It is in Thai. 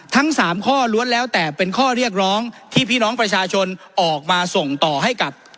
ทั้ง๓ข้อล้วนแล้วแต่เป็นข้อเรียกร้องที่พี่น้องประชาชนออกมาส่งต่อให้กับ